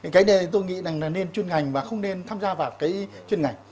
cái này tôi nghĩ rằng là nên chuyên ngành và không nên tham gia vào cái chuyên ngành